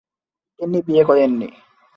তিনি বিয়ে করেননি।